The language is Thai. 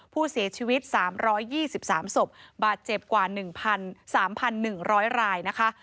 ผู้เสียชีวิต๓๒๓ศพบาดเจ็บกว่า๑๓๑๐๐รายนะคะ